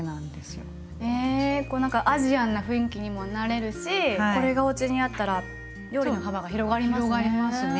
へえこう何かアジアンな雰囲気にもなれるしこれがおうちにあったら料理の幅が広がりますね。